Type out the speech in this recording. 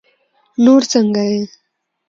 نور څنګه يې؟